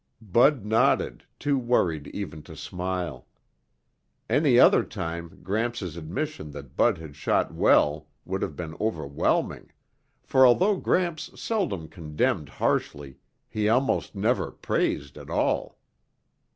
Bud nodded, too worried even to smile. Any other time Gramps' admission that Bud had shot well would have been overwhelming, for although Gramps seldom condemned harshly, he almost never praised at all.